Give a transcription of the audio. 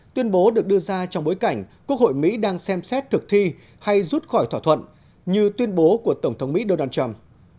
tuyên bố được đưa ra trong bối cảnh quốc hội mỹ đang xem xét thực thi hay rút khỏi thỏa thuận như tuyên bố của tổng thống mỹ donald trump